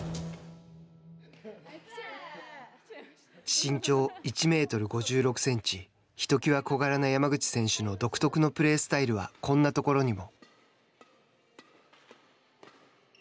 身長１メートル５６センチひときわ小柄な山口選手の独特のプレースタイルはこんなところにも。